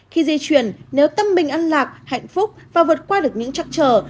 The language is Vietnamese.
khi di chuyển nếu tâm mình ăn lạc hạnh phúc và vượt qua được những trắc trở